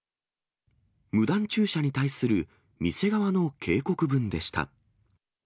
無断駐車に対する店側の警告文でした。